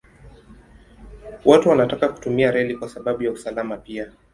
Watu wanataka kutumia reli kwa sababu ya usalama pia.